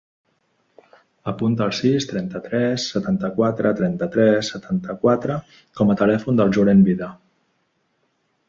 Apunta el sis, trenta-tres, setanta-quatre, trenta-tres, setanta-quatre com a telèfon del Julen Vida.